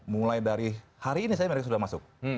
mulai dari hari ini saya mereka sudah masuk